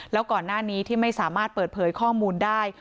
แล้วก่อนหน้านี้ที่ไม่สามารถเปิดเผยข้อมูลได้